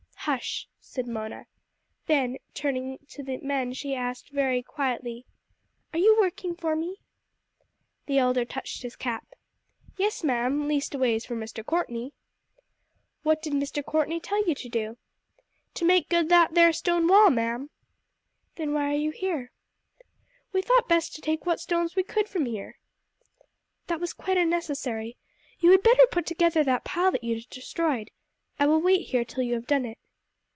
"Hush!" said Mona. Then turning to the men she asked very quietly, "Are you working for me?" The elder touched his cap. "Yes, ma'am leastways for Mr. Courtney." "What did Mr. Courtney tell you to do?" "To make good that there stone wall, ma'am." "Then why are you here?" "We thought best to take what stones we could from here?" "That was quite unnecessary. You had better put together that pile that you have destroyed. I will wait here till you have done it."